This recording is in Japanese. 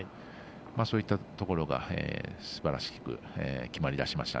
そういったところがすばらしく決まりだしました。